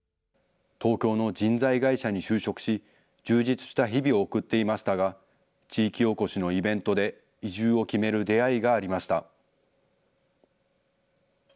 東京の人材会社に就職し、充実した日々を送っていましたが、地域おこしのイベントで移住を決める出会いがありました。